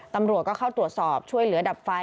ตำรวจก็เข้าตรวจสอบช่วยเหลือดับไฟ